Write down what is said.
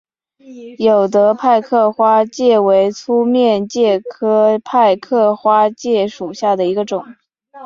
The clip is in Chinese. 有德派克花介为粗面介科派克花介属下的一个种。